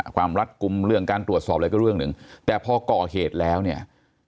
รัดกลุ่มเรื่องการตรวจสอบอะไรก็เรื่องหนึ่งแต่พอก่อเหตุแล้วเนี่ย